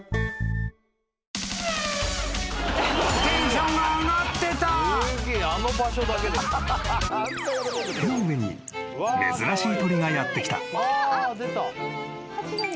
［手の上に珍しい鳥がやって来た］